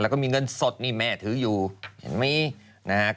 แล้วก็มีเงินสดนี่แม่ถืออยู่เห็นไหมนะครับ